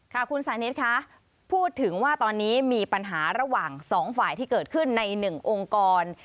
ค่ะคุณสานิทค่ะพูดถึงว่าตอนนี้มีปัญหาระหว่างสองฝ่ายที่เกิดขึ้นใน๑องค์กร